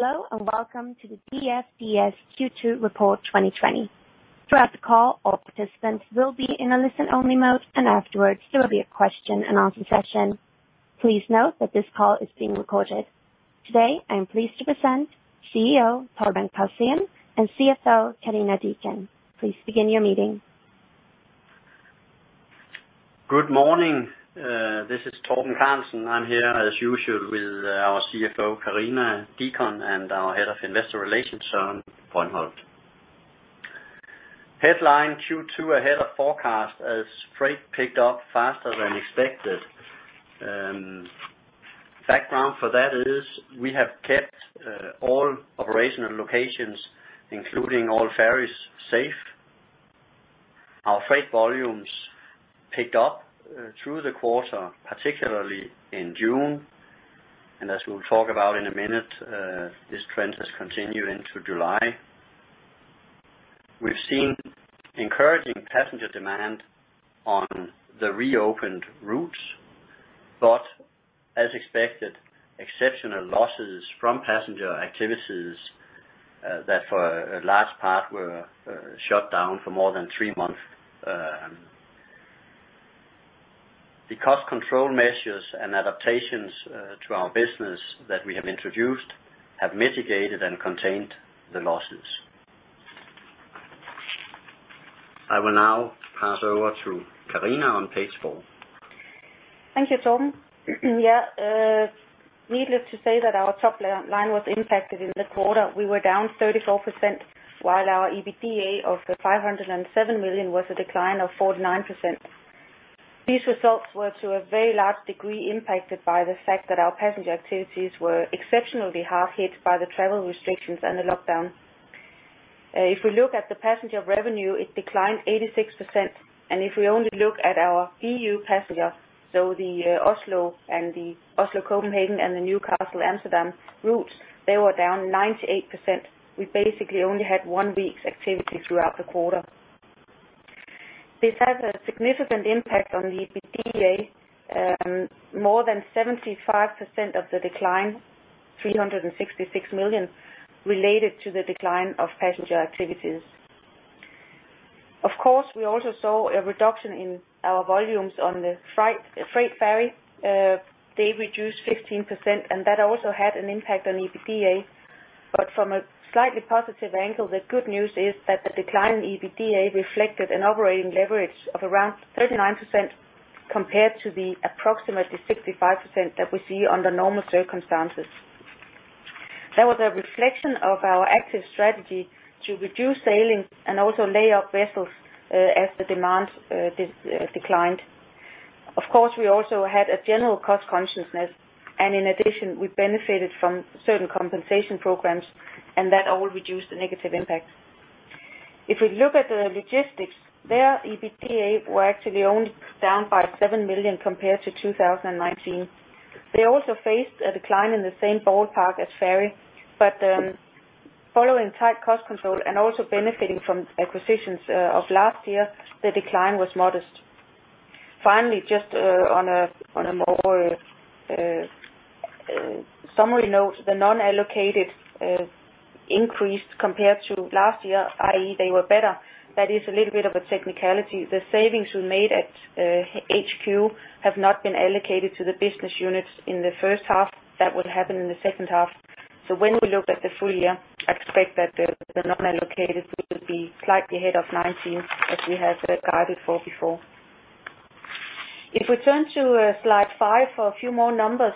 Hello, and welcome to the DFDS Q2 Report 2020. Throughout the call, all participants will be in a listen-only mode, and afterwards there will be a question-and-answer session. Please note that this call is being recorded. Today, I am pleased to present CEO Torben Carlsen and CFO Karina Deacon. Please begin your meeting. Good morning. This is Torben Carlsen. I'm here as usual with our CFO, Karina Deacon, and our head of investor relations, Søren Brøndholt. Headline Q2 ahead of forecast as freight picked up faster than expected. Background for that is we have kept all operational locations, including all ferries, safe. Our freight volumes picked up through the quarter, particularly in June. As we'll talk about in a minute, this trend has continued into July. We've seen encouraging passenger demand on the reopened routes, but as expected, exceptional losses from passenger activities, that for a large part were shut down for more than three months. The cost control measures and adaptations to our business that we have introduced have mitigated and contained the losses. I will now pass over to Karina on page four. Thank you, Torben. Needless to say that our top line was impacted in the quarter. We were down 34%, while our EBITDA of 507 million was a decline of 49%. These results were to a very large degree impacted by the fact that our passenger activities were exceptionally hard hit by the travel restrictions and the lockdown. If we look at the passenger revenue, it declined 86%. If we only look at our BU passenger, so the Oslo Copenhagen and the Newcastle Amsterdam routes, they were down 98%. We basically only had one week's activity throughout the quarter. This has a significant impact on EBITDA. More than 75% of the decline, 366 million, related to the decline of passenger activities. Of course, we also saw a reduction in our volumes on the freight ferry. They reduced 15% that also had an impact on EBITDA. From a slightly positive angle, the good news is that the decline in EBITDA reflected an operating leverage of around 39%, compared to the approximately 65% that we see under normal circumstances. That was a reflection of our active strategy to reduce sailing and also lay up vessels, as the demand declined. Of course, we also had a general cost consciousness, and in addition, we benefited from certain compensation programs, and that all reduced the negative impact. If we look at the logistics, their EBITDA were actually only down by 7 million compared to 2019. They also faced a decline in the same ballpark as ferry, but following tight cost control and also benefiting from acquisitions of last year, the decline was modest. Finally, just on a more summary note, the non-allocated increased compared to last year, i.e., they were better. That is a little bit of a technicality. The savings we made at HQ have not been allocated to the business units in the first half. That will happen in the second half. When we look at the full year, I expect that the non-allocated will be slightly ahead of 2019 as we have guided for before. If we turn to slide five for a few more numbers.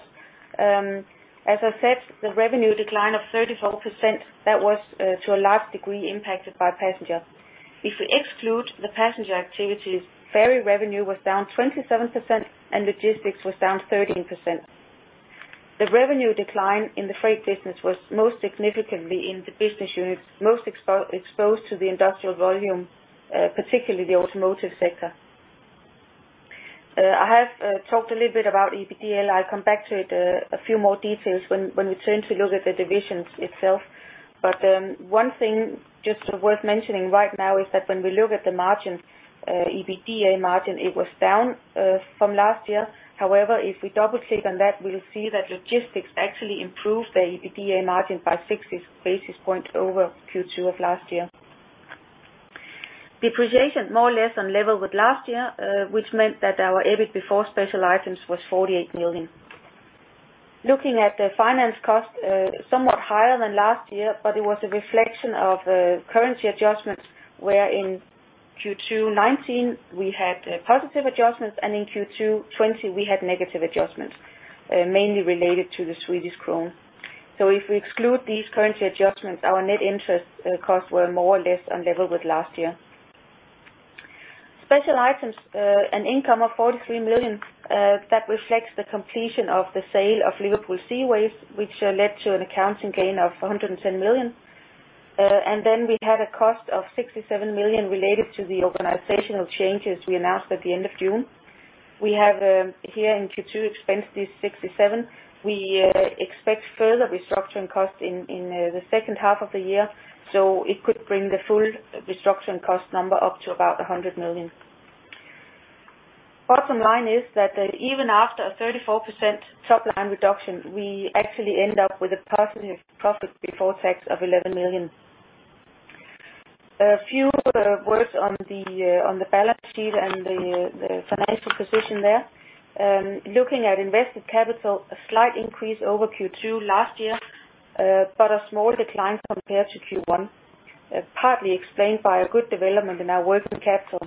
As I said, the revenue decline of 34%, that was to a large degree impacted by passenger. If we exclude the passenger activities, ferry revenue was down 27% and logistics was down 13%. The revenue decline in the freight business was most significantly in the business units most exposed to the industrial volume, particularly the automotive sector. I have talked a little bit about EBITDA. I'll come back to it a few more details when we turn to look at the divisions itself. One thing just worth mentioning right now is that when we look at the margins, EBITDA margin, it was down from last year. If we double click on that, we'll see that logistics actually improved the EBITDA margin by 60 basis points over Q2 of last year. Depreciation more or less on level with last year, which meant that our EBIT before special items was 48 million. Looking at the finance cost, somewhat higher than last year, but it was a reflection of currency adjustments, where in Q2 2019 we had positive adjustments, and in Q2 2020 we had negative adjustments, mainly related to the Swedish krona. If we exclude these currency adjustments, our net interest costs were more or less on level with last year. Special items, an income of 43 million, that reflects the completion of the sale of Liverpool Seaways, which led to an accounting gain of 110 million. We had a cost of 67 million related to the organizational changes we announced at the end of June. We have here in Q2 expensed these 67. We expect further restructuring costs in the second half of the year. It could bring the full restructuring cost number up to about 100 million. Bottom line is that even after a 34% top line reduction, we actually end up with a positive profit before tax of 11 million. A few words on the balance sheet and the financial position there. Looking at invested capital, a slight increase over Q2 last year, but a small decline compared to Q1, partly explained by a good development in our working capital.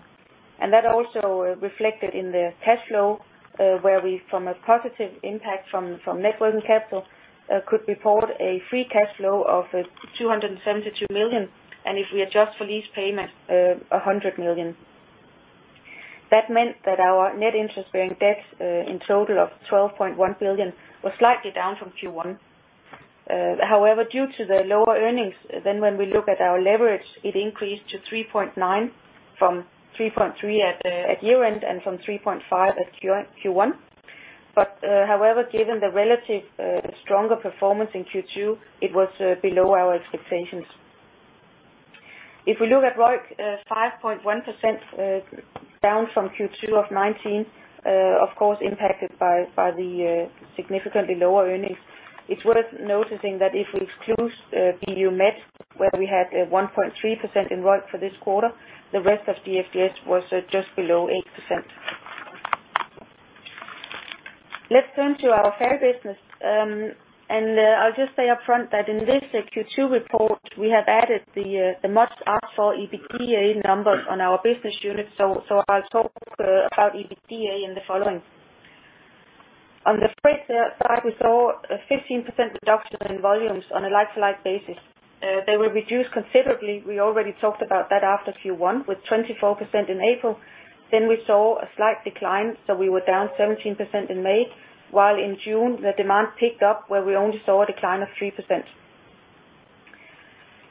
That also reflected in the cash flow, where we, from a positive impact from net working capital, could report a free cash flow of 272 million, and if we adjust for lease payment, 100 million. That meant that our net interest-bearing debt in total of 12.1 billion was slightly down from Q1. However, due to the lower earnings, when we look at our leverage, it increased to 3.9 from 3.3 at year-end and from 3.5 at Q1. However, given the relative stronger performance in Q2, it was below our expectations. If we look at ROIC, 5.1% down from Q2 of 2019, of course, impacted by the significantly lower earnings. It's worth noticing that if we exclude BU Med, where we had a 1.3% in ROIC for this quarter, the rest of DFDS was just below 8%. Let's turn to our ferry business. I'll just say upfront that in this Q2 report, we have added the much-asked-for EBITDA numbers on our business unit. I'll talk about EBITDA in the following. On the freight side, we saw a 15% reduction in volumes on a like-to-like basis. They were reduced considerably. We already talked about that after Q1 with 24% in April. We saw a slight decline, so we were down 17% in May, while in June, the demand picked up where we only saw a decline of 3%.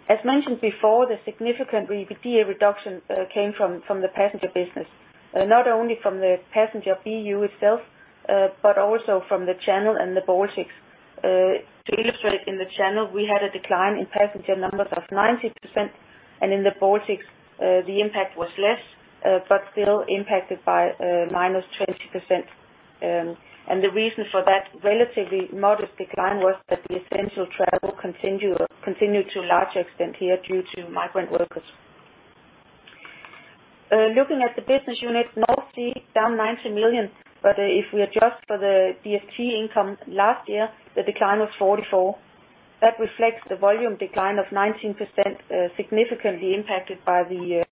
As mentioned before, the significant EBITDA reduction came from the passenger business, not only from the passenger BU itself, but also from the Channel and the Baltics. To illustrate, in the Channel, we had a decline in passenger numbers of 90%, and in the Baltics, the impact was less, but still impacted by -20%. The reason for that relatively modest decline was that the essential travel continued to a large extent here due to migrant workers. Looking at the business unit, North Sea down 90 million, but if we adjust for the DFDS Tor Line income last year, the decline was 44. That reflects the volume decline of 19% significantly impacted by the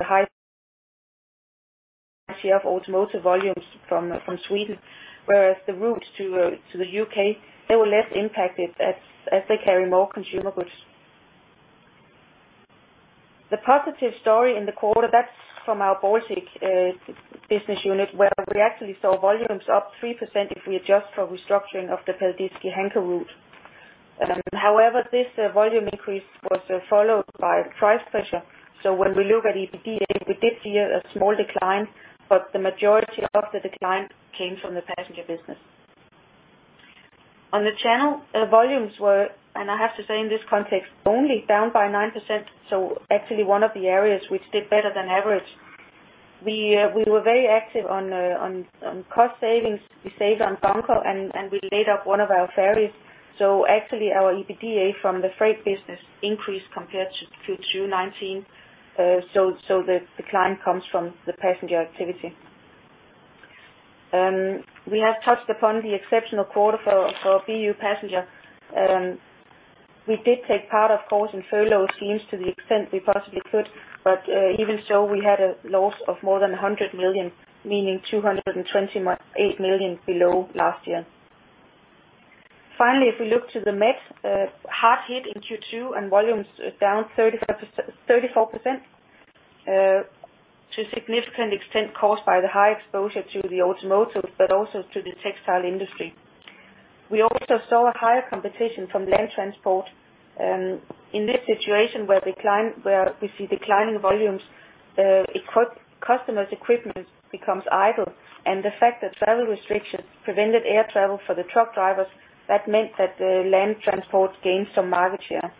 high share of automotive volumes from Sweden, whereas the routes to the U.K., they were less impacted as they carry more consumer goods. The positive story in the quarter, that's from our Baltic business unit where we actually saw volumes up 3% if we adjust for restructuring of the Paldiski-Hanko route. However, this volume increase was followed by price pressure. When we look at EBITDA, we did see a small decline, but the majority of the decline came from the passenger business. On the Channel, volumes were, and I have to say in this context, only down by 9%. Actually one of the areas which did better than average. We were very active on cost savings. We saved on bunker, and we laid up one of our ferries. Actually our EBITDA from the freight business increased compared to Q2 2019. The decline comes from the passenger activity. We have touched upon the exceptional quarter for BU Passenger. We did take part, of course, in furlough schemes to the extent we possibly could, even so, we had a loss of more than 100 million, meaning 228 million below last year. Finally, if we look to the Med, hard hit in Q2, volumes down 34% to a significant extent caused by the high exposure to the automotive but also to the textile industry. We also saw a higher competition from land transport. In this situation where we see declining volumes, customers' equipment becomes idle, and the fact that travel restrictions prevented air travel for the truck drivers, that meant that the land transport gained some market share.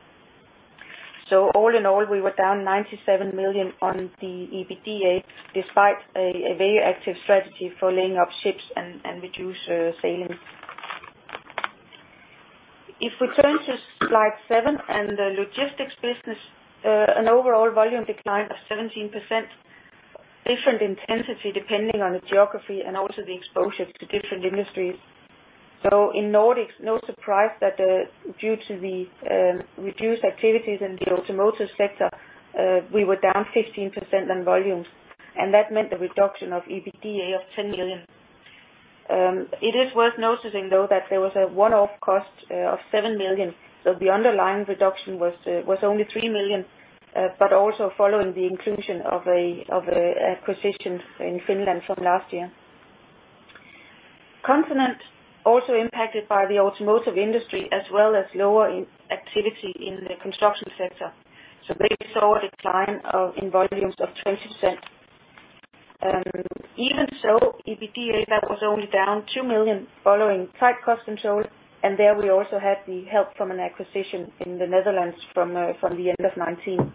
All in all, we were down 97 million on the EBITDA despite a very active strategy for laying up ships and reduce sailing. If we turn to slide seven and the logistics business, an overall volume decline of 17%. Different intensity depending on the geography and also the exposure to different industries. In Nordics, no surprise that due to the reduced activities in the automotive sector, we were down 15% on volumes, and that meant a reduction of EBITDA of 10 million. It is worth noticing, though, that there was a one-off cost of 7 million. The underlying reduction was only 3 million, but also following the inclusion of an acquisition in Finland from last year. Continent also impacted by the automotive industry as well as lower activity in the construction sector. They saw a decline in volumes of 20%. Even so, EBITDA was only down 2 million following tight cost control, and there we also had the help from an acquisition in the Netherlands from the end of 2019.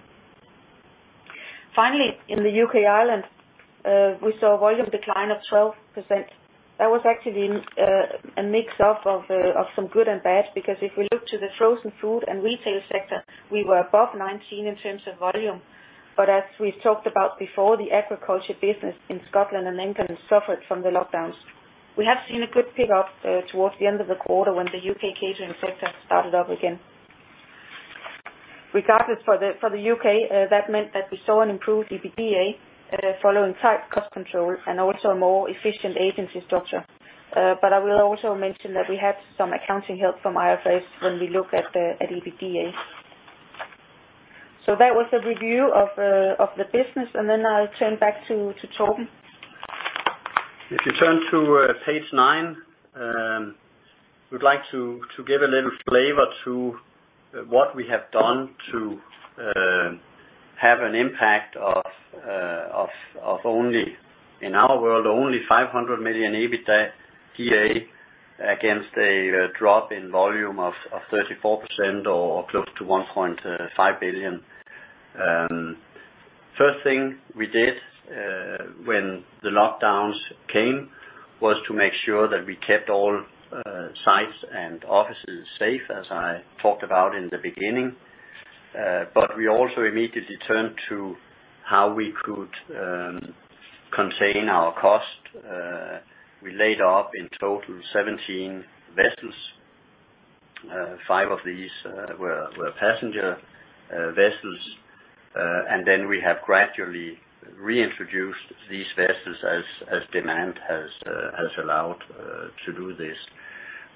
Finally, in the U.K. and Ireland, we saw a volume decline of 12%. That was actually a mix of some good and bad, because if we look to the frozen food and retail sector, we were above 2019 in terms of volume. As we've talked about before, the agriculture business in Scotland and England suffered from the lockdowns. We have seen a good pickup towards the end of the quarter when the U.K. catering sector started up again. Regardless, for the U.K., that meant that we saw an improved EBITDA following tight cost control and also a more efficient agency structure. I will also mention that we had some accounting help from IFRS when we look at the EBITDA. That was the review of the business. Then I'll turn back to Torben. If you turn to page nine, we'd like to give a little flavor to what we have done to have an impact of only, in our world, 500 million EBITDA against a drop in volume of 34% or close to 1.5 billion. First thing we did when the lockdowns came was to make sure that we kept all sites and offices safe, as I talked about in the beginning. We also immediately turned to how we could contain our cost. We laid off, in total, 17 vessels. Five of these were passenger vessels. Then we have gradually reintroduced these vessels as demand has allowed to do this.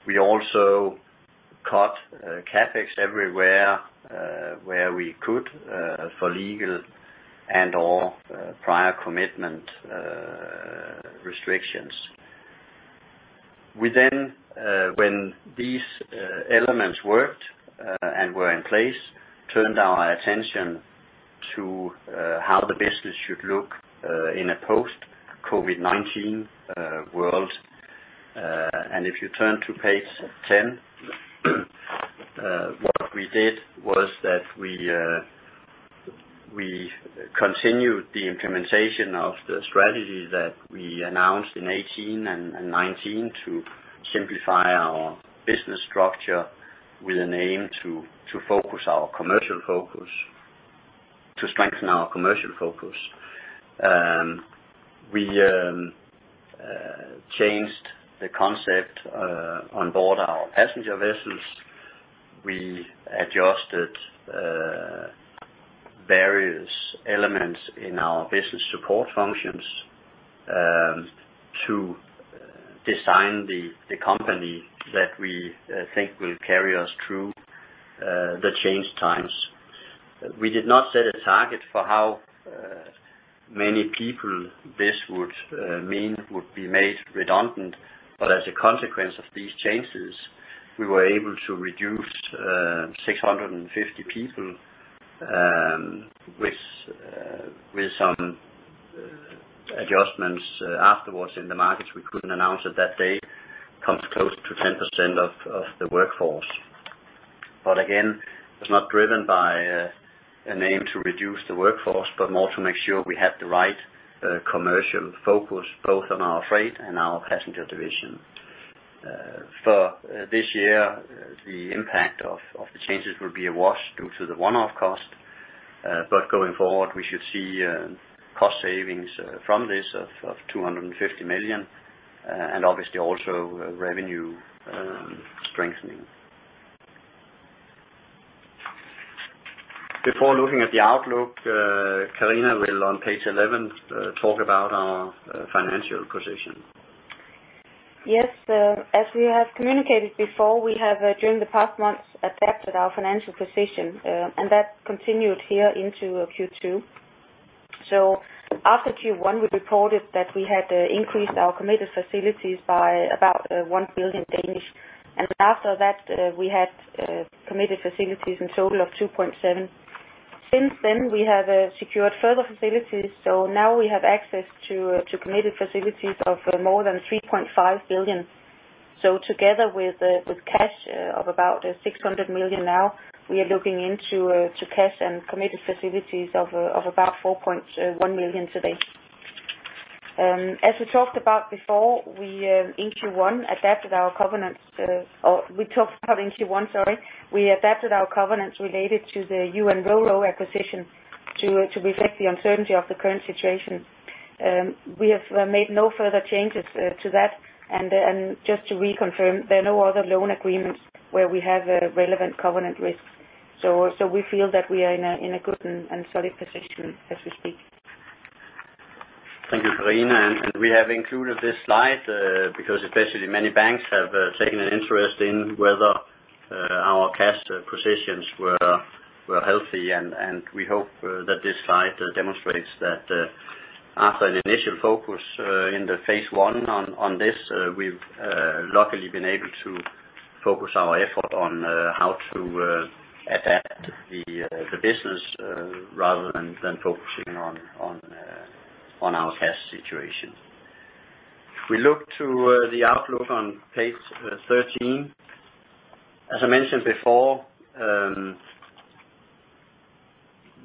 We also cut CapEx everywhere where we could for legal and/or prior commitment restrictions. We then, when these elements worked and were in place, turned our attention to how the business should look in a post-COVID-19 world. If you turn to page 10, what we did was that we continued the implementation of the strategy that we announced in 2018 and 2019 to simplify our business structure with an aim to strengthen our commercial focus. We changed the concept on board our passenger vessels. We adjusted various elements in our business support functions to design the company that we think will carry us through the change times. We did not set a target for how many people this would mean would be made redundant, but as a consequence of these changes, we were able to reduce 650 people, with some adjustments afterwards in the markets we couldn't announce at that day, comes close to 10% of the workforce. Again, it's not driven by an aim to reduce the workforce, but more to make sure we have the right commercial focus, both on our freight and our passenger division. For this year, the impact of the changes will be a wash due to the one-off cost. Going forward, we should see cost savings from this of 250 million, and obviously also revenue strengthening. Before looking at the outlook, Karina will, on page 11, talk about our financial position. Yes. As we have communicated before, we have during the past months adapted our financial position, and that continued here into Q2. After Q1, we reported that we had increased our committed facilities by about 1 billion. After that, we had committed facilities in total of 2.7 billion. Since then, we have secured further facilities, so now we have access to committed facilities of more than 3.5 billion. Together with cash of about 600 million now, we are looking into cash and committed facilities of about 4.1 billion today. As we talked about before, or we talked about in Q1, sorry, we adapted our covenants related to the U.N. RoRo acquisition to reflect the uncertainty of the current situation. We have made no further changes to that, and just to reconfirm, there are no other loan agreements where we have relevant covenant risks. We feel that we are in a good and solid position as we speak. Thank you, Karina. We have included this slide because especially many banks have taken an interest in whether our cash positions were healthy, and we hope that this slide demonstrates that after an initial focus in the phase 1 on this, we've luckily been able to focus our effort on how to adapt the business rather than focusing on our cash situation. If we look to the outlook on page 13. As I mentioned before,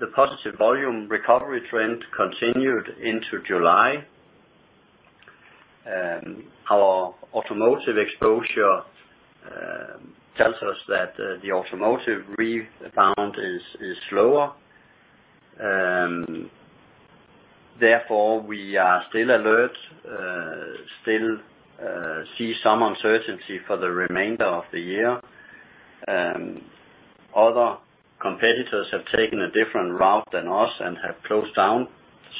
the positive volume recovery trend continued into July. Our automotive exposure tells us that the automotive rebound is slower. Therefore, we are still alert, still see some uncertainty for the remainder of the year. Other competitors have taken a different route than us and have closed down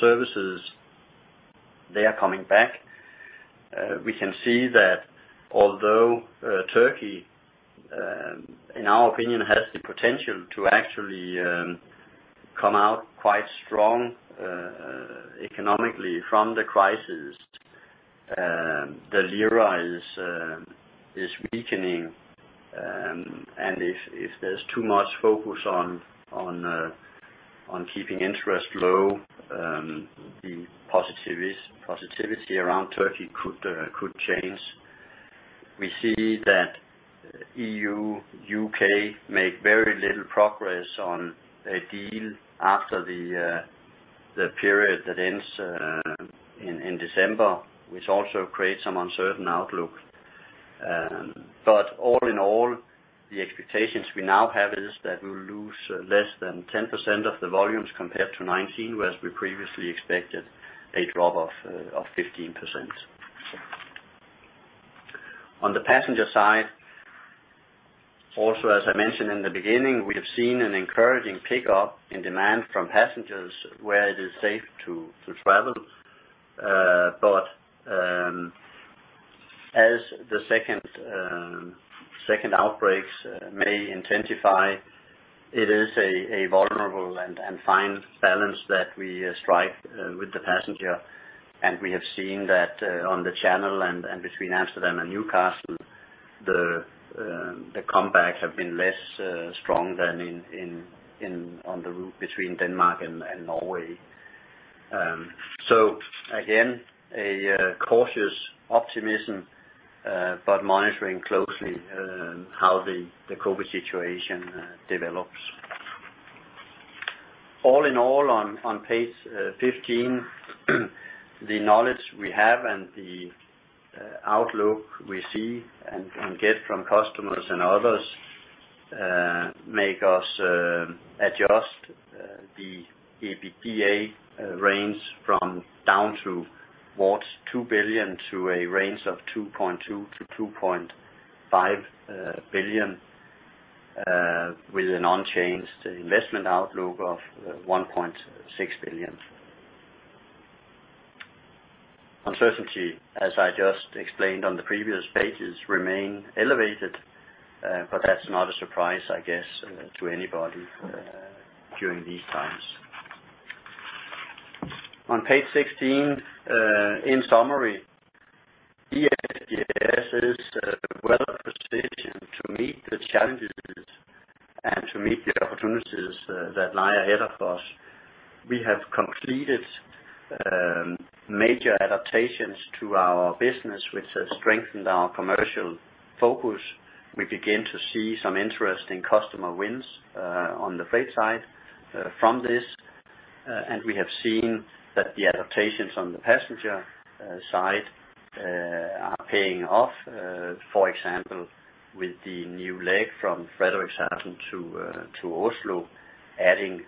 services. They are coming back. We can see that although Turkey, in our opinion, has the potential to actually come out quite strong economically from the crisis, the lira is weakening, if there's too much focus on keeping interest low, the positivity around Turkey could change. We see that EU, U.K. make very little progress on a deal after the period that ends in December, which also creates some uncertain outlook. All in all, the expectations we now have is that we'll lose less than 10% of the volumes compared to 2019, whereas we previously expected a drop of 15%. On the passenger side, also as I mentioned in the beginning, we have seen an encouraging pickup in demand from passengers where it is safe to travel. As the second outbreaks may intensify, it is a vulnerable and fine balance that we strike with the passenger. We have seen that on the Channel and between Amsterdam and Newcastle, the comebacks have been less strong than on the route between Denmark and Norway. Again, a cautious optimism, but monitoring closely how the COVID situation develops. All in all, on page 15, the knowledge we have and the outlook we see and get from customers and others make us adjust the EBITDA range from down towards 2 billion to a range of 2.2 billion-2.5 billion, with an unchanged investment outlook of 1.6 billion. Uncertainty, as I just explained on the previous pages, remain elevated. That's not a surprise, I guess, to anybody during these times. On page 16, in summary, DFDS is well positioned to meet the challenges and to meet the opportunities that lie ahead of us. We have completed major adaptations to our business, which has strengthened our commercial focus. We begin to see some interesting customer wins on the freight side from this, and we have seen that the adaptations on the passenger side are paying off. For example, with the new leg from Frederikshavn to Oslo, adding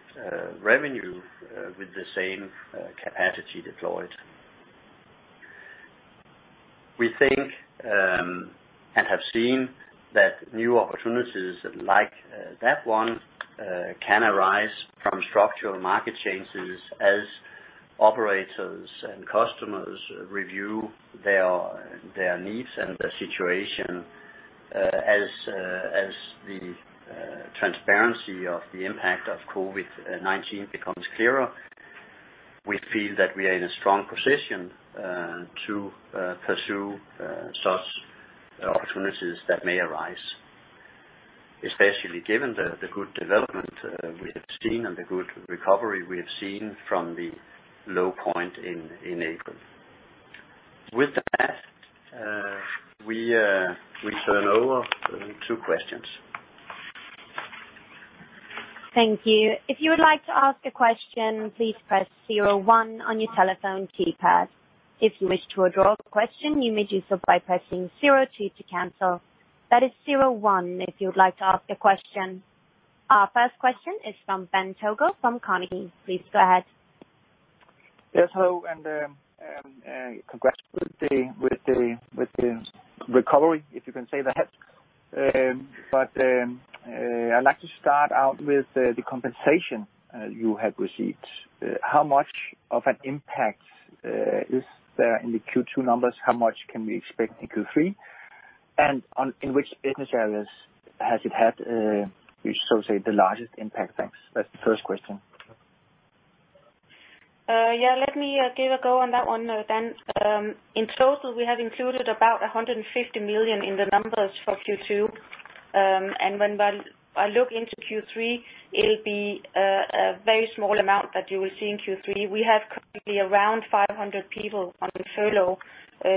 revenue with the same capacity deployed. We think and have seen that new opportunities like that one can arise from structural market changes as operators and customers review their needs and their situation as the transparency of the impact of COVID-19 becomes clearer. We feel that we are in a strong position to pursue such opportunities that may arise, especially given the good development we have seen and the good recovery we have seen from the low point in April. With that, we turn over to questions. Thank you. If you would like to ask a question, please press zero one on your telephone keypad. If you wish to withdraw a question, you may do so by pressing zero two to cancel. That is zero one if you would like to ask a question. Our first question is from Bengt Togo from Carnegie. Please go ahead. Yes, hello, and congrats with the recovery, if you can say that. I'd like to start out with the compensation you have received. How much of an impact is there in the Q2 numbers? How much can we expect in Q3? In which business areas has it had the largest impact? Thanks. That's the first question. Yeah, let me give a go on that one. In total, we have included about 150 million in the numbers for Q2. When I look into Q3, it'll be a very small amount that you will see in Q3. We have currently around 500 people on furlough,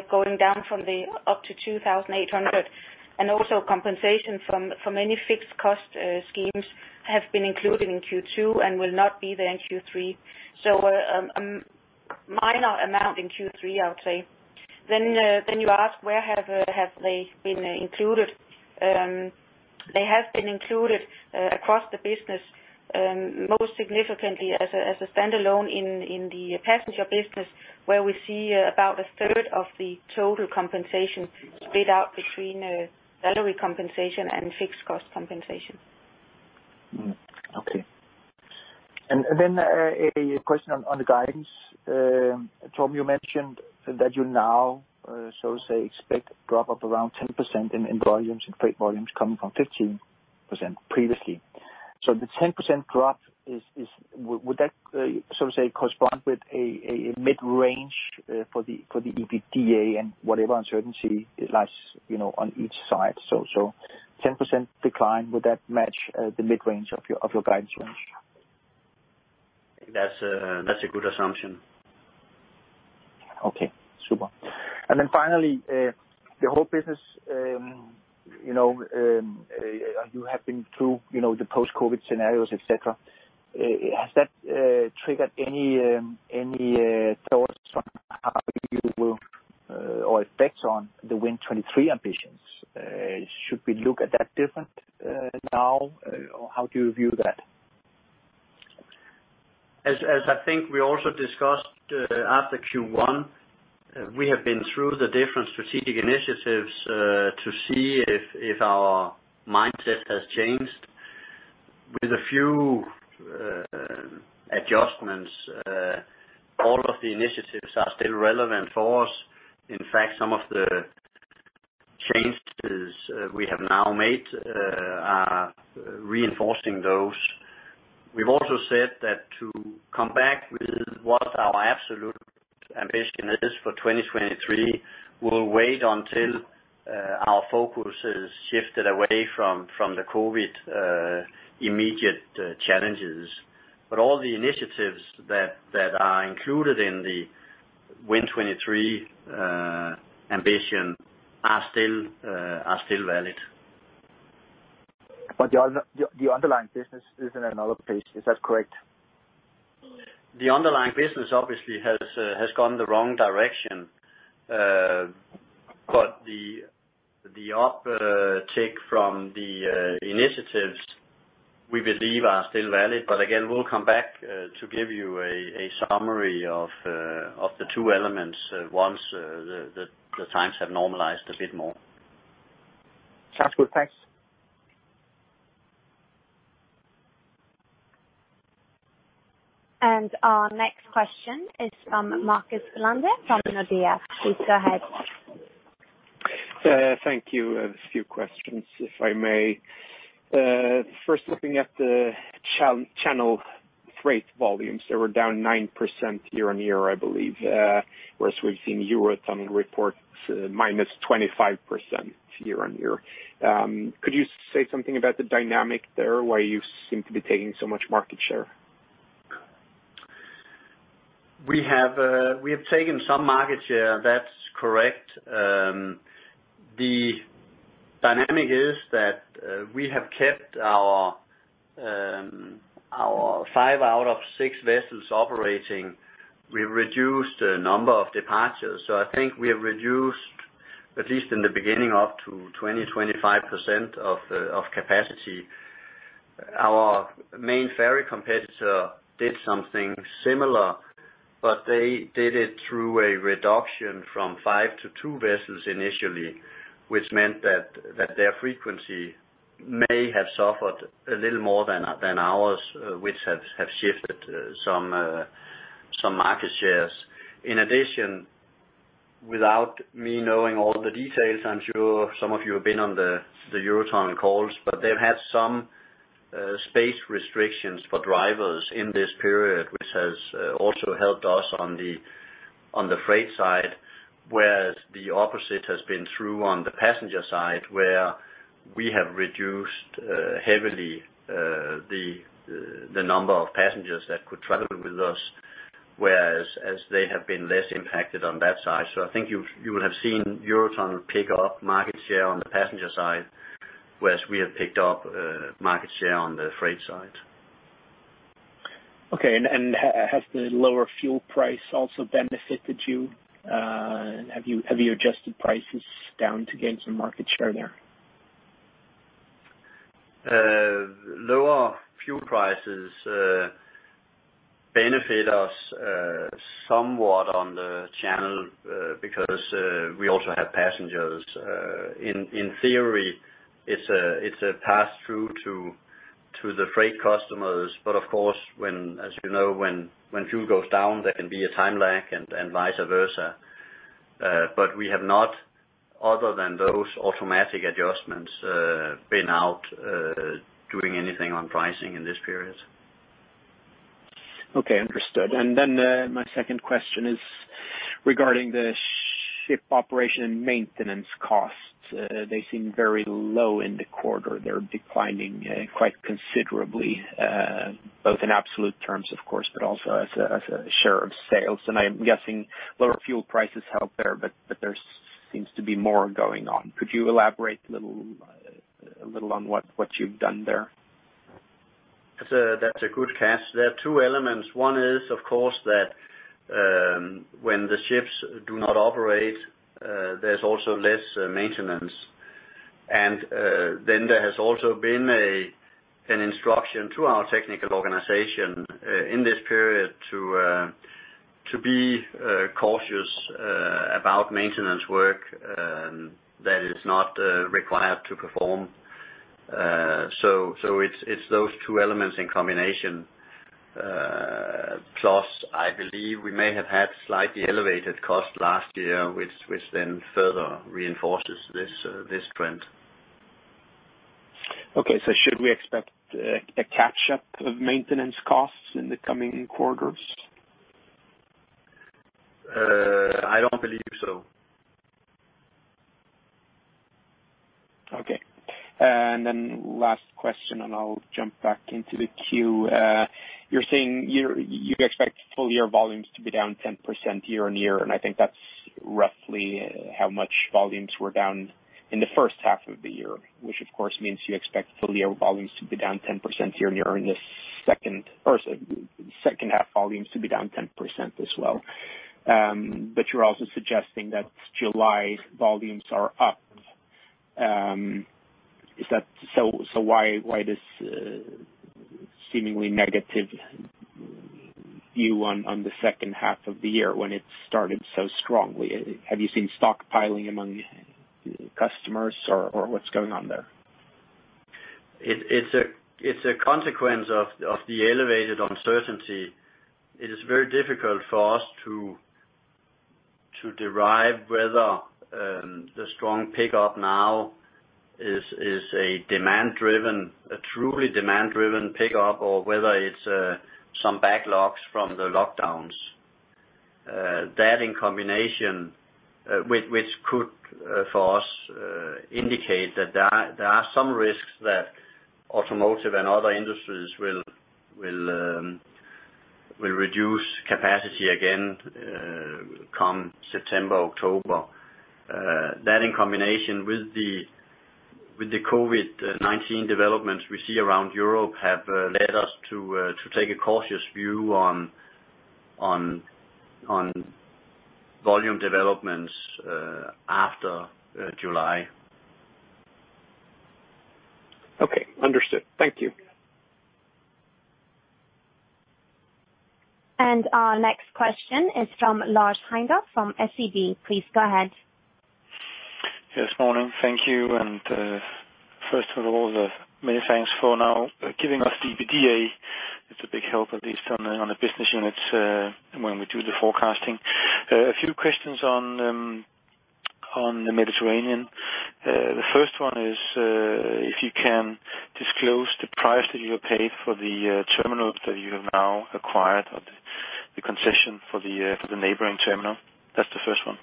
going down from up to 2,800. Also compensation from any fixed cost schemes have been included in Q2 and will not be there in Q3. A minor amount in Q3, I would say. You ask where have they been included? They have been included across the business, most significantly as a standalone in the passenger business, where we see about a third of the total compensation split out between salary compensation and fixed cost compensation. Okay. A question on the guidance. Torben, you mentioned that you now expect drop of around 10% in volumes, in freight volumes, coming from 15% previously. The 10% drop, would that correspond with a mid-range for the EBITDA and whatever uncertainty lies on each side? 10% decline, would that match the mid-range of your guidance range? That's a good assumption. Okay, super. Finally, the whole business, you have been through the post-COVID-19 scenarios, et cetera. Has that triggered any thoughts on how you will, or effects on the Win23 ambitions? Should we look at that different now, or how do you view that? As I think we also discussed after Q1, we have been through the different strategic initiatives to see if our mindset has changed. With a few adjustments, all of the initiatives are still relevant for us. In fact, some of the changes we have now made are reinforcing those. We've also said that to come back with what our absolute ambition is for 2023, we'll wait until our focus has shifted away from the COVID-19 immediate challenges. All the initiatives that are included in the WIN 23 ambition are still valid. The underlying business is in another place. Is that correct? The underlying business obviously has gone the wrong direction. The uptake from the initiatives we believe are still valid. Again, we'll come back to give you a summary of the two elements once the times have normalized a bit more. Sounds good. Thanks. Our next question is from Marcus Lindhe from Nordea. Please go ahead. Thank you. A few questions, if I may. First looking at the Channel freight volumes. They were down 9% year-on-year, I believe, whereas we've seen Eurotunnel report minus 25% year-on-year. Could you say something about the dynamic there, why you seem to be taking so much market share? We have taken some market share, that's correct. The dynamic is that we have kept our five out of six vessels operating. We reduced a number of departures. I think we have reduced, at least in the beginning, up to 20%-25% of capacity. Our main ferry competitor did something similar, they did it through a reduction from five to two vessels initially, which meant that their frequency may have suffered a little more than ours, which have shifted some market shares. In addition, without me knowing all the details, I'm sure some of you have been on the Eurotunnel calls, they've had some space restrictions for drivers in this period, which has also helped us on the freight side. Whereas the opposite has been true on the passenger side, where we have reduced heavily the number of passengers that could travel with us, whereas they have been less impacted on that side. I think you will have seen Eurotunnel pick up market share on the passenger side, whereas we have picked up market share on the freight side. Okay. Has the lower fuel price also benefited you? Have you adjusted prices down to gain some market share there? Lower fuel prices benefit us somewhat on the Channel because we also have passengers. In theory, it's a pass-through to the freight customers. Of course, as you know, when fuel goes down, there can be a time lag and vice versa. We have not, other than those automatic adjustments, been out doing anything on pricing in this period. Okay, understood. My second question is regarding the ship operation and maintenance costs. They seem very low in the quarter. They're declining quite considerably, both in absolute terms, of course, but also as a share of sales. I am guessing lower fuel prices help there, but there seems to be more going on. Could you elaborate a little on what you've done there? That's a good catch. There are two elements. One is, of course, that when the ships do not operate, there's also less maintenance. There has also been an instruction to our technical organization in this period to be cautious about maintenance work that is not required to perform. It's those two elements in combination. I believe we may have had slightly elevated costs last year, which then further reinforces this trend. Okay, should we expect a catch-up of maintenance costs in the coming quarters? I don't believe so. Okay. Last question, I'll jump back into the queue. You're saying you expect full-year volumes to be down 10% year-on-year, and I think that's roughly how much volumes were down in the first half of the year, which of course means you expect full-year volumes to be down 10% year-on-year in the second half, volumes to be down 10% as well. You're also suggesting that July volumes are up. Why this seemingly negative view on the second half of the year when it started so strongly? Have you seen stockpiling among customers, or what's going on there? It's a consequence of the elevated uncertainty. It is very difficult for us to derive whether the strong pickup now is a truly demand-driven pickup or whether it's some backlogs from the lockdowns. That in combination, which could for us indicate that there are some risks that automotive and other industries will reduce capacity again come September, October. That in combination with the COVID-19 developments we see around Europe have led us to take a cautious view on volume developments after July. Okay, understood. Thank you. Our next question is from Lars Heindorff from SEB. Please go ahead. Morning. Thank you. First of all, many thanks for now giving us the EBITDA. It's a big help, at least on the business units, when we do the forecasting. A few questions on the Mediterranean. The first one is if you can disclose the price that you paid for the terminals that you have now acquired or the concession for the neighboring terminal. That's the first one.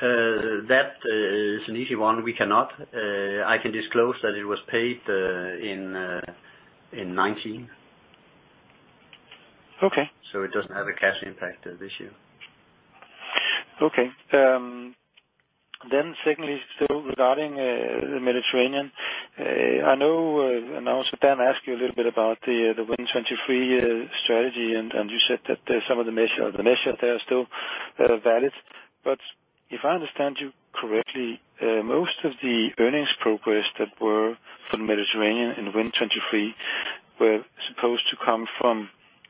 That is an easy one. We cannot. I can disclose that it was paid in 2019. Okay. It doesn't have a cash impact this year. Okay. Secondly, still regarding the Mediterranean. I know, also Dan asked you a little bit about the WIN 23 strategy, you said that some of the measures there are still valid. If I understand you correctly, most of the earnings progress that were for the Mediterranean in WIN 23 were supposed to come from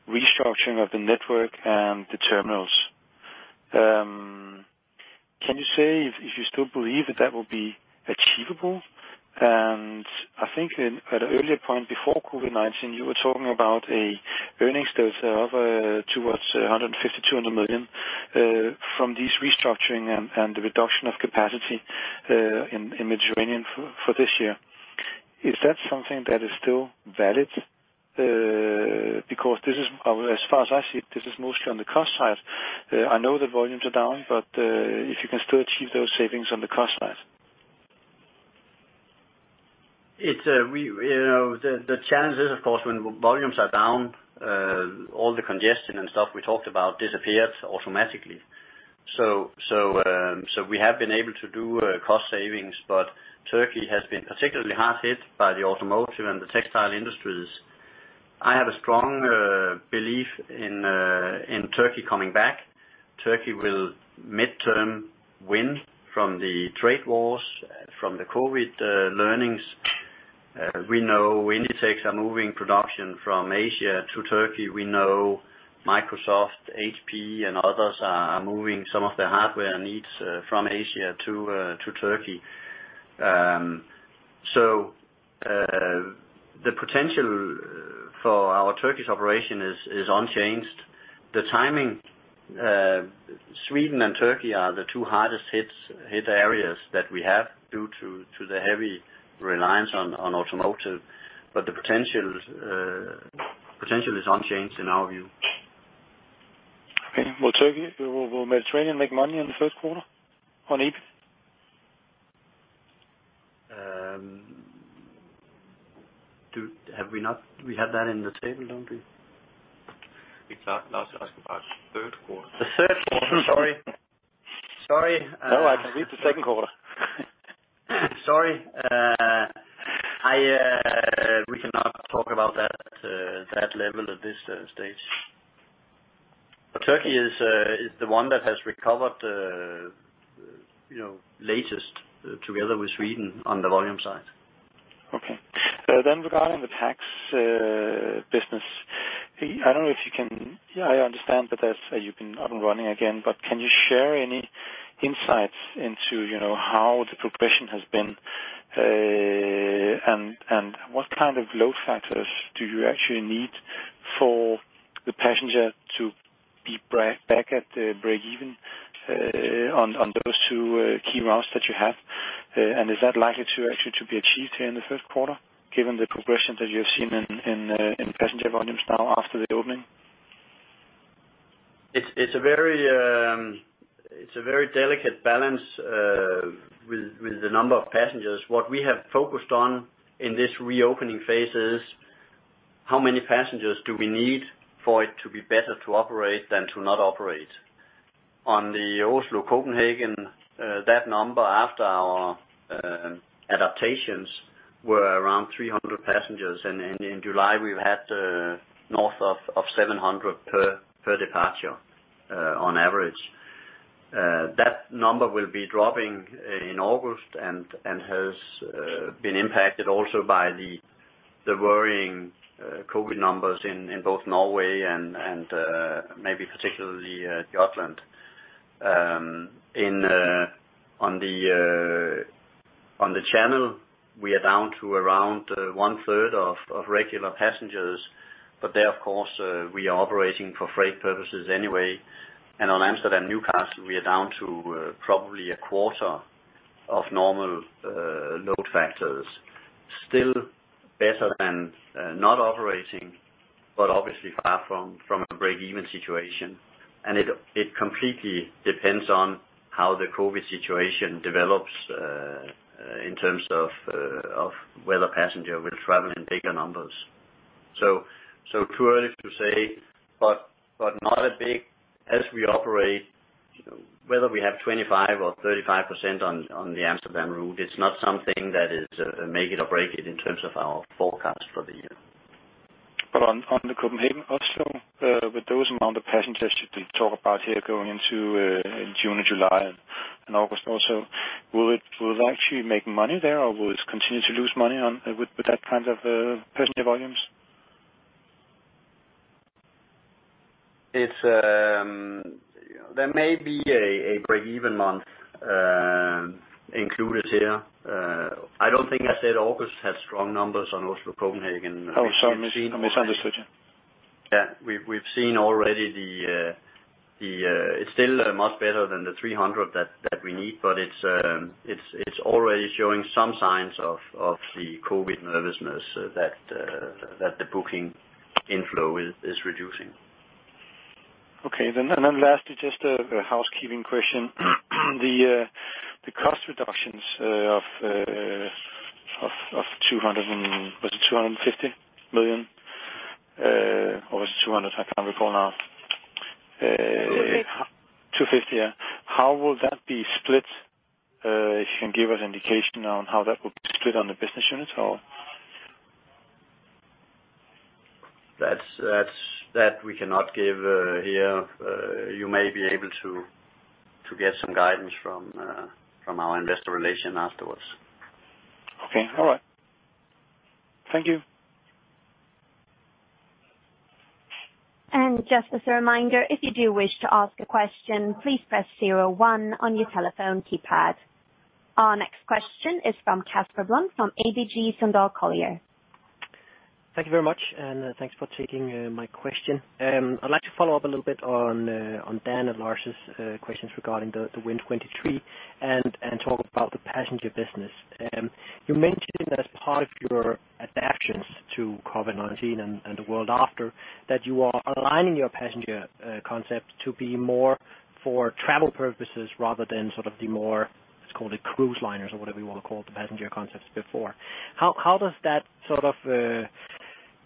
restructuring of the network and the terminals. Can you say if you still believe that that will be achievable? I think at an earlier point before COVID-19, you were talking about an earnings growth of towards 150 million, 200 million from this restructuring and the reduction of capacity in Mediterranean for this year. Is that something that is still valid? As far as I see it, this is mostly on the cost side. I know the volumes are down, if you can still achieve those savings on the cost side. The challenge is, of course, when volumes are down, all the congestion and stuff we talked about disappears automatically. We have been able to do cost savings, but Turkey has been particularly hard hit by the automotive and the textile industries. I have a strong belief in Turkey coming back. Turkey will midterm win from the trade wars, from the COVID learnings. We know Inditex are moving production from Asia to Turkey. We know Microsoft, HP, and others are moving some of their hardware needs from Asia to Turkey. The potential for our Turkish operation is unchanged. The timing, Sweden and Turkey are the two hardest hit areas that we have due to the heavy reliance on automotive, but the potential is unchanged in our view. Okay. Will Turkey, will Mediterranean make money in the first quarter on EBIT? We have that in the table, don't we? Lars is asking about third quarter. The third quarter, sorry. No, I can read the second quarter. Sorry. We cannot talk about that at that level at this stage. Turkey is the one that has recovered latest together with Sweden on the volume side. Okay. Regarding the Pax business, I understand that you've been up and running again. Can you share any insights into how the progression has been? What kind of load factors do you actually need for the passenger to be back at the break even on those two key routes that you have? Is that likely to actually be achieved here in the first quarter, given the progression that you have seen in passenger volumes now after the opening? It's a very delicate balance with the number of passengers. What we have focused on in this reopening phase is, how many passengers do we need for it to be better to operate than to not operate. On the Oslo-Copenhagen, that number after our adaptations were around 300 passengers, and in July, we've had north of 700 per departure on average. That number will be dropping in August and has been impacted also by the worrying COVID-19 numbers in both Norway and maybe particularly Jutland. On the Channel, we are down to around 1/3 of regular passengers. There, of course, we are operating for freight purposes anyway. On Amsterdam-Newcastle, we are down to probably a quarter of normal load factors. Still better than not operating, but obviously far from a break-even situation. It completely depends on how the COVID situation develops in terms of whether passenger will travel in bigger numbers. Too early to say, but not as big as we operate, whether we have 25% or 35% on the Amsterdam route. It's not something that is a make it or break it in terms of our forecast for the year. On the Copenhagen also, with those amount of passengers that you talk about here going into June and July and August also, will it actually make money there, or will it continue to lose money with that kind of passenger volumes? There may be a break-even month included here. I don't think I said August had strong numbers on Oslo-Copenhagen. Oh, sorry. I misunderstood you. Yeah. We've seen already it's still much better than the 300 that we need, but it's already showing some signs of the COVID nervousness that the booking inflow is reducing. Okay. Lastly, just a housekeeping question. Was it 250 million? Or was it DKK 200 million? I can't recall now. 250. 250, yeah. How will that be split? If you can give us indication on how that will be split on the business unit or? That we cannot give here. You may be able to get some guidance from our Investor Relations afterwards. Okay. All right. Thank you. Just as a reminder, if you do wish to ask a question, please press 01 on your telephone keypad. Our next question is from Casper Blom from ABG Sundal Collier. Thank you very much, and thanks for taking my question. I'd like to follow up a little bit on Dan and Lars' questions regarding the WIN 23, and talk about the passenger business. You mentioned as part of your adaptions to COVID-19 and the world after, that you are aligning your passenger concept to be more for travel purposes rather than sort of the more, let's call it cruise liners or whatever you want to call the passenger concepts before.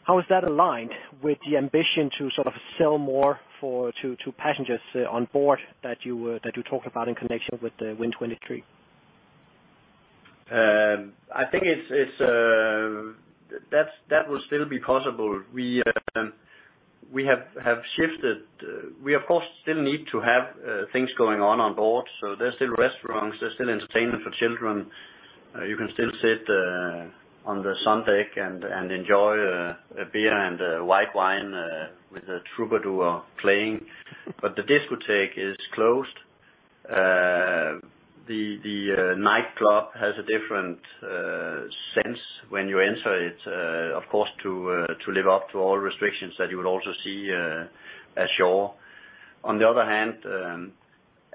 How is that aligned with the ambition to sort of sell more to passengers on board that you talked about in connection with the WIN 23? I think that will still be possible. We of course still need to have things going on on board. There's still restaurants, there's still entertainment for children. You can still sit on the sundeck and enjoy a beer and a white wine with a troubadour playing. The discotheque is closed. The nightclub has a different sense when you enter it, of course, to live up to all restrictions that you would also see ashore. On the other hand,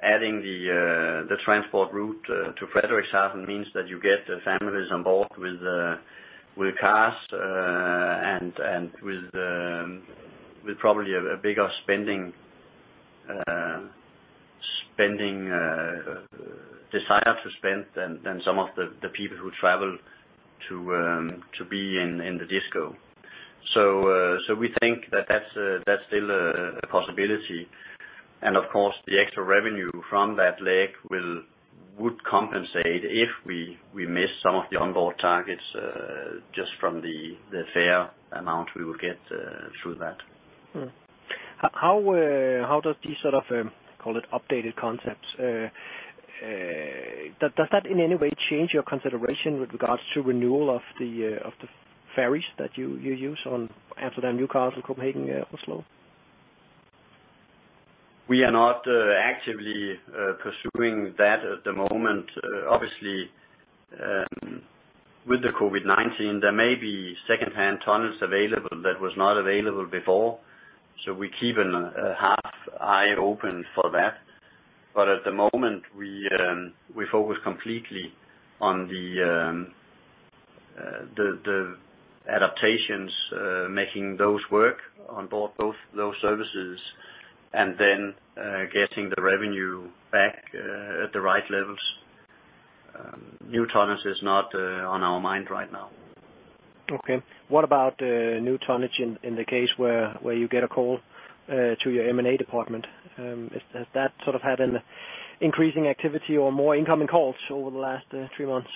adding the transport route to Frederikshavn means that you get the families on board with cars, and with probably a bigger desire to spend than some of the people who travel to be in the disco. We think that that's still a possibility. Of course, the extra revenue from that leg would compensate if we miss some of the onboard targets, just from the fare amount we would get through that. How does these sort of, call it updated concepts, does that in any way change your consideration with regards to renewal of the ferries that you use on Amsterdam, Newcastle, Copenhagen, Oslo? We are not actively pursuing that at the moment. Obviously, with the COVID-19, there may be secondhand tonnage available that was not available before. We keep a half eye open for that. At the moment, we focus completely on the adaptations, making those work on both those services, and then getting the revenue back at the right levels. New tonnage is not on our mind right now. Okay. What about new tonnage in the case where you get a call to your M&A department? Has that sort of had an increasing activity or more incoming calls over the last three months?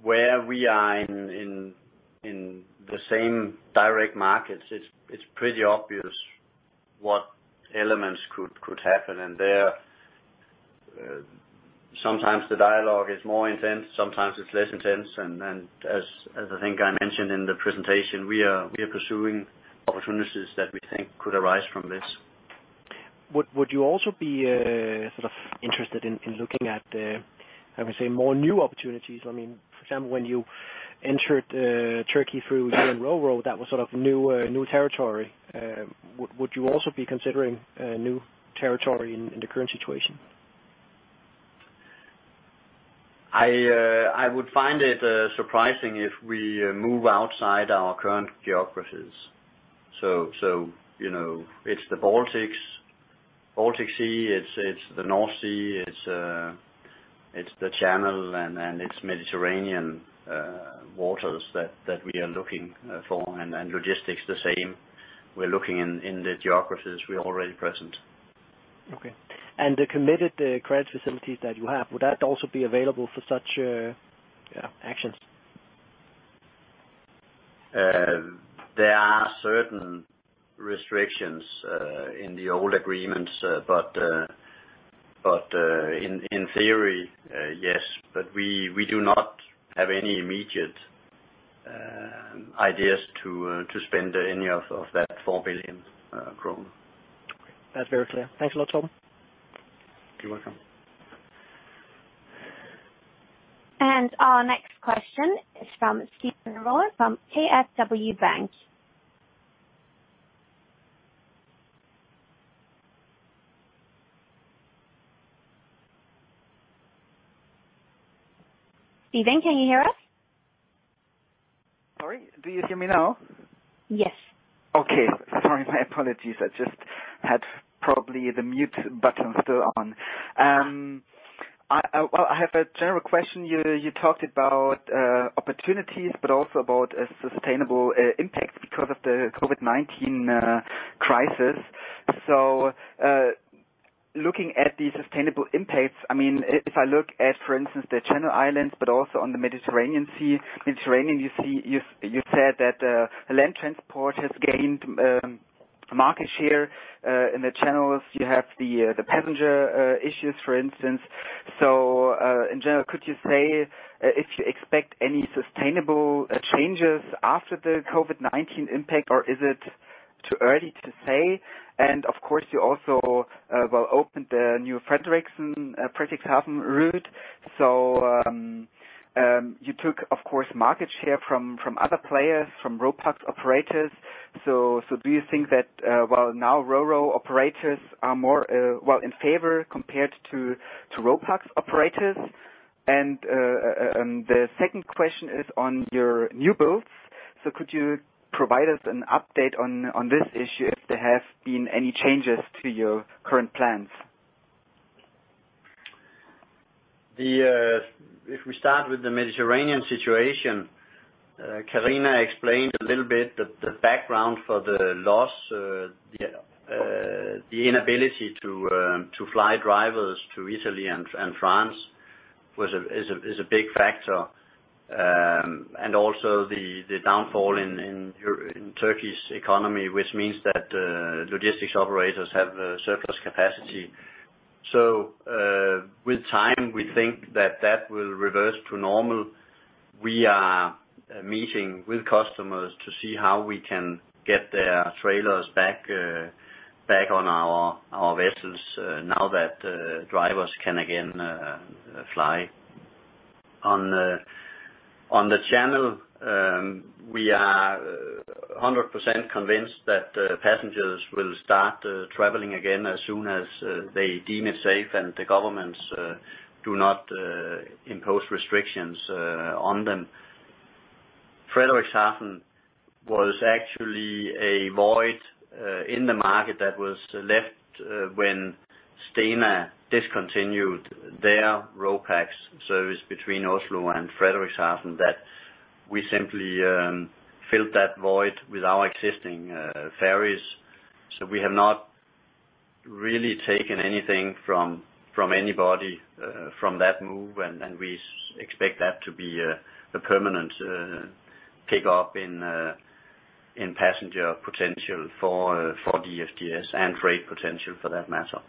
Where we are in the same direct markets, it's pretty obvious what elements could happen. There, sometimes the dialogue is more intense, sometimes it's less intense, and as I think I mentioned in the presentation, we are pursuing opportunities that we think could arise from this. Would you also be sort of interested in looking at the, how we say, more new opportunities? For example, when you entered Turkey through U.N. RoRo, that was sort of new territory. Would you also be considering new territory in the current situation? I would find it surprising if we move outside our current geographies. It's the Baltic Sea, it's the North Sea, it's the Channel, and it's Mediterranean waters that we are looking for, and logistics the same. We're looking in the geographies we're already present. Okay. The committed credit facilities that you have, would that also be available for such actions? There are certain restrictions in the old agreements. In theory, yes. We do not have any immediate ideas to spend any of that 4 billion kroner. Okay. That's very clear. Thanks a lot, Torben. You're welcome. Our next question is from Stephen Rohrer from KfW Bank. Stephen, can you hear us? Sorry, do you hear me now? Yes. Okay. Sorry, my apologies. I just had probably the mute button still on. Well, I have a general question. You talked about opportunities, but also about a sustainable impact because of the COVID-19 crisis. Looking at the sustainable impacts, if I look at, for instance, the Channel Islands, but also on the Mediterranean Sea. Mediterranean, you said that land transport has gained market share. In the Channels, you have the passenger issues, for instance. In general, could you say if you expect any sustainable changes after the COVID-19 impact, or is it too early to say? Of course, you also, well, opened the new Frederikshavn route. You took, of course, market share from other players, from RoPax operators. Do you think that, well, now RoRo operators are more, well, in favor compared to RoPax operators? The second question is on your new builds. Could you provide us an update on this issue if there have been any changes to your current plans? If we start with the Mediterranean situation, Karina explained a little bit the background for the loss. The inability to fly drivers to Italy and France is a big factor. Also the downfall in Turkey's economy, which means that logistics operators have surplus capacity. With time, we think that that will reverse to normal. We are meeting with customers to see how we can get their trailers back on our vessels now that drivers can again fly. On the Channel, we are 100% convinced that passengers will start traveling again as soon as they deem it safe and the governments do not impose restrictions on them. Frederikshavn was actually a void in the market that was left when Stena discontinued their RoPax service between Oslo and Frederikshavn, that we simply filled that void with our existing ferries. We have not really taken anything from anybody from that move, and we expect that to be a permanent pick-up in passenger potential for DFDS, and freight potential for that matter.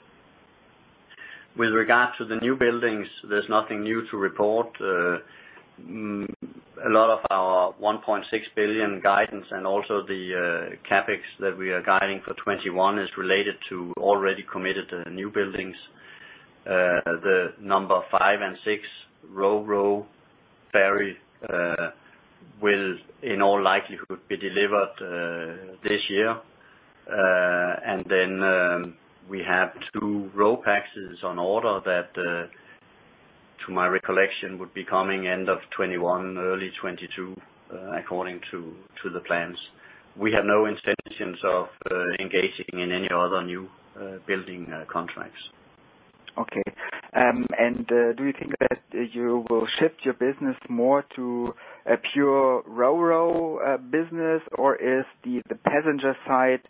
With regard to the new buildings, there's nothing new to report. A lot of our 1.6 billion guidance and also the CapEx that we are guiding for 2021 is related to already committed new buildings. The number five and six RoRo ferry will, in all likelihood, be delivered this year. We have two RoPaxes on order that, to my recollection, would be coming end of 2021, early 2022, according to the plans. We have no intentions of engaging in any other new building contracts. Okay. Do you think that you will shift your business more to a pure RoRo business? Is the passenger side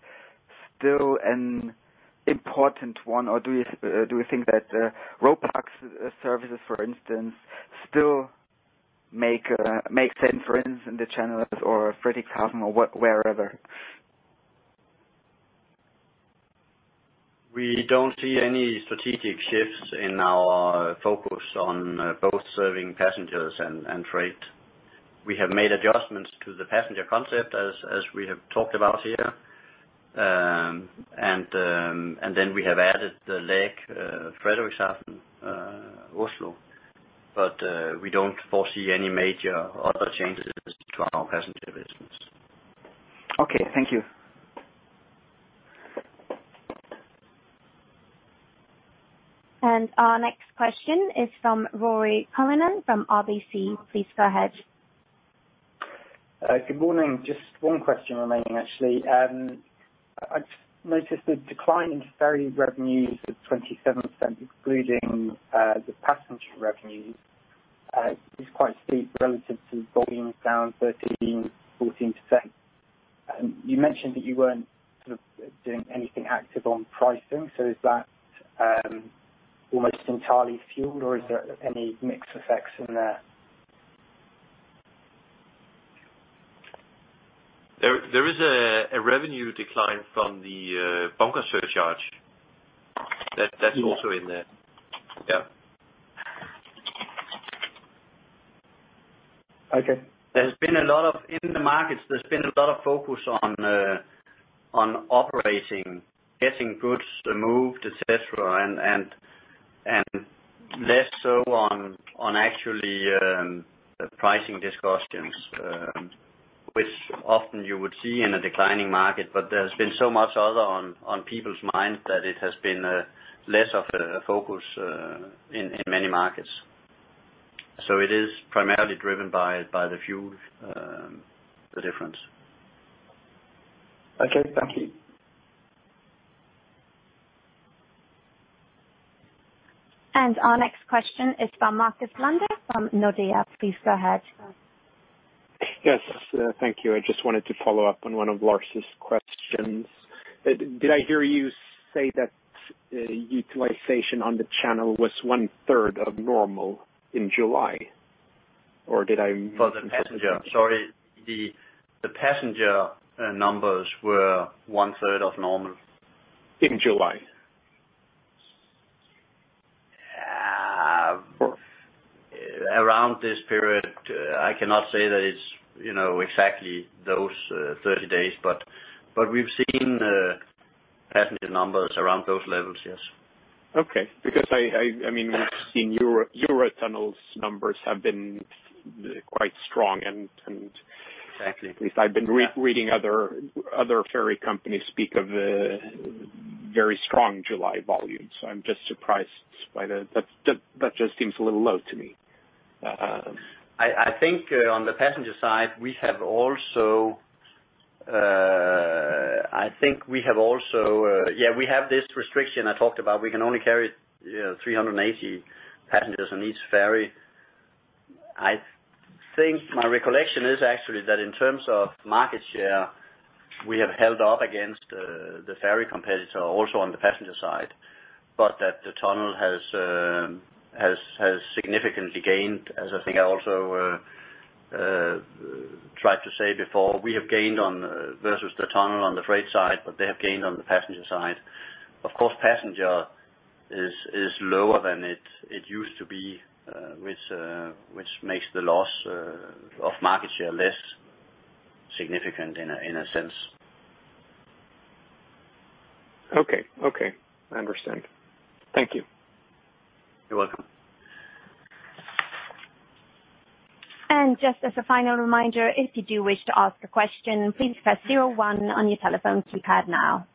still an important one, or do you think that RoPax services, for instance, still make sense, for instance, in the Channel or Frederikshavn or wherever? We don't see any strategic shifts in our focus on both serving passengers and freight. We have made adjustments to the passenger concept, as we have talked about here. Then we have added the leg, Frederikshavn-Oslo. We don't foresee any major other changes to our passenger business. Okay. Thank you. Our next question is from Ruairi Cullinane from RBC. Please go ahead. Good morning. Just one question remaining, actually. I noticed the decline in ferry revenues of 27%, excluding the passenger revenues, is quite steep relative to volumes down 13, 14%. You mentioned that you weren't sort of doing anything active on pricing. Is that almost entirely fuel, or is there any mix effects in there? There is a revenue decline from the bunker surcharge. That's also in there. Yeah. Okay. In the markets, there's been a lot of focus on operating, getting goods moved, et cetera, and less so on actually pricing discussions, which often you would see in a declining market. There's been so much other on people's minds that it has been less of a focus in many markets. It is primarily driven by the fuel, the difference. Okay, thank you. Our next question is from Marcus Lindhe from Nordea. Please go ahead. Yes. Thank you. I just wanted to follow up on one of Lars' questions. Did I hear you say that utilization on the Channel was one-third of normal in July? For the passenger. Sorry. The passenger numbers were one-third of normal. In July. Around this period. I cannot say that it's exactly those 30 days, but we've seen passenger numbers around those levels, yes. Okay. Because we've seen Eurotunnel's numbers have been quite strong. Exactly. At least I've been reading other ferry companies speak of very strong July volumes. I'm just surprised by that. That just seems a little low to me. I think on the passenger side, we have this restriction I talked about. We can only carry 380 passengers on each ferry. I think my recollection is actually that in terms of market share, we have held up against the ferry competitor also on the passenger side, but that the tunnel has significantly gained, as I think I tried to say before, we have gained versus the tunnel on the freight side, but they have gained on the passenger side. Of course, passenger is lower than it used to be, which makes the loss of market share less significant in a sense. Okay. I understand. Thank you. You're welcome. Just as a final reminder, if you do wish to ask a question, please press zero one on your telephone keypad now.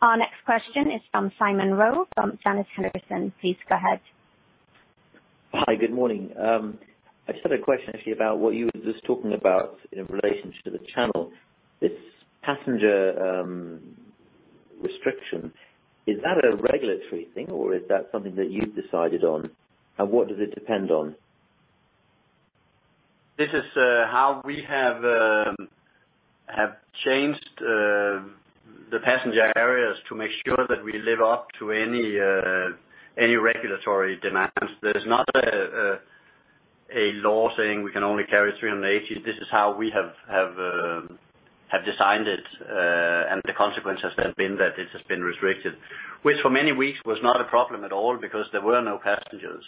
Our next question is from Simon Rowe from Janus Henderson. Please go ahead. Hi. Good morning. I just had a question actually about what you were just talking about in relation to the Channel. This passenger restriction, is that a regulatory thing or is that something that you've decided on? What does it depend on? This is how we have changed the passenger areas to make sure that we live up to any regulatory demands. There's not a law saying we can only carry 380. This is how we have designed it, and the consequence has been that it has been restricted. Which for many weeks was not a problem at all because there were no passengers.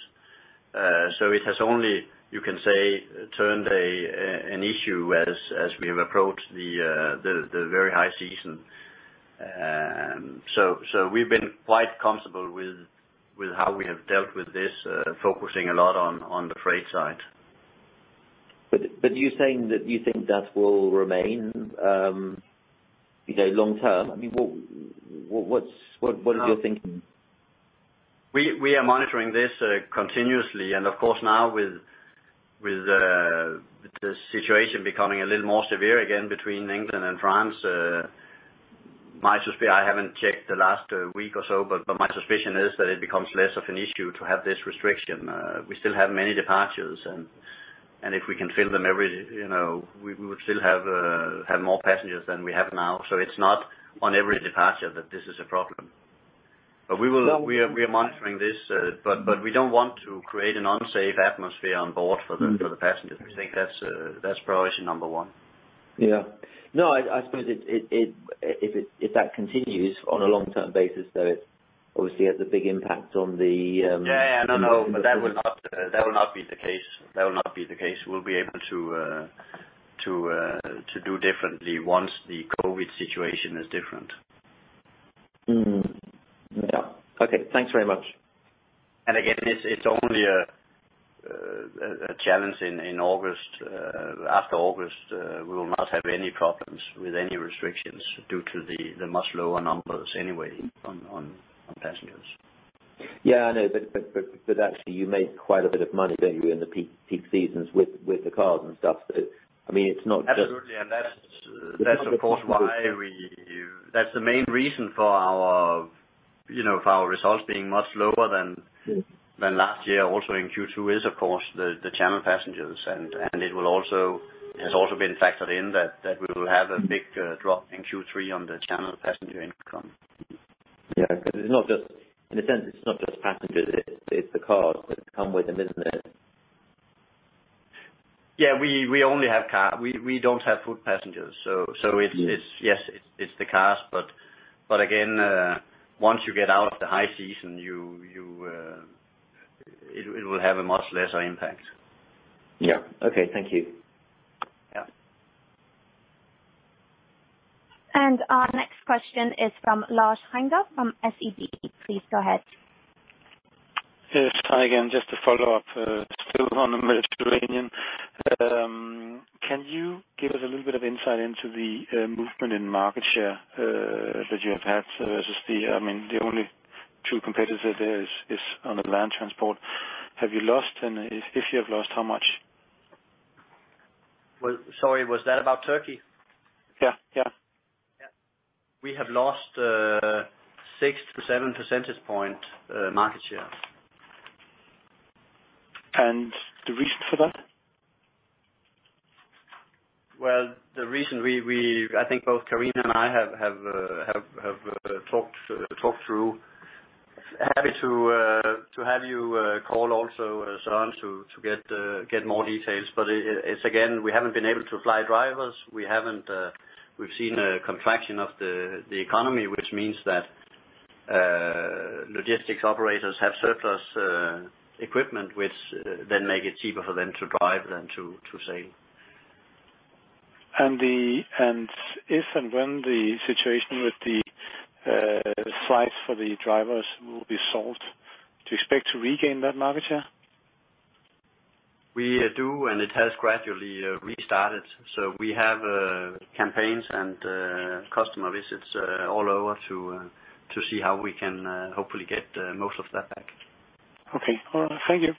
It has only, you can say, turned an issue as we have approached the very high season. We've been quite comfortable with how we have dealt with this, focusing a lot on the freight side. You're saying that you think that will remain long term? What is your thinking? We are monitoring this continuously. Of course, now with the situation becoming a little more severe again between England and France. I haven't checked the last week or so. My suspicion is that it becomes less of an issue to have this restriction. We still have many departures. If we can fill them, we would still have more passengers than we have now. It's not on every departure that this is a problem. We are monitoring this. We don't want to create an unsafe atmosphere on board for the passengers. We think that's priority number one. Yeah. No, I suppose if that continues on a long-term basis, though, it obviously has a big impact. Yeah. No, that will not be the case. We'll be able to do differently once the COVID situation is different. Yeah. Okay. Thanks very much. Again, it's only a challenge in August. After August, we will not have any problems with any restrictions due to the much lower numbers anyway on passengers. Yeah, I know. Actually you make quite a bit of money, don't you, in the peak seasons with the cars and stuff? Absolutely. That's of course the main reason for our results being much lower than last year also in Q2 is of course the Channel passengers, and it has also been factored in that we will have a big drop in Q3 on the Channel passenger income. Yeah, because in a sense, it's not just passengers, it's the cars that come with them, isn't it? We don't have foot passengers, yes, it's the cars. Again, once you get out of the high season, it will have a much lesser impact. Yeah. Okay. Thank you. Yeah. Our next question is from Lars Heindorff from SEB. Please go ahead. Yes. Hi again. Just to follow up, still on the Mediterranean. Can you give us a little bit of insight into the movement in market share that you have had versus the only true competitor there is on the land transport? Have you lost, and if you have lost, how much? Sorry, was that about Turkey? Yeah. We have lost six to seven percentage point market share. The reason for that? Well, the reason I think both Karina and I have talked through. Happy to have you call also, Søren, to get more details. It's, again, we haven't been able to fly drivers. We've seen a contraction of the economy, which means that logistics operators have surplus equipment, which then make it cheaper for them to drive than to sail. If and when the situation with the flights for the drivers will be solved, do you expect to regain that market share? We do, and it has gradually restarted. We have campaigns and customer visits all over to see how we can hopefully get most of that back. Okay. All right. Thank you.